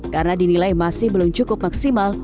karena dinilai masih belum cukup maksimal